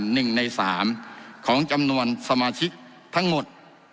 หนึ่งในสามของจำนวนสมาชิกทั้งหมด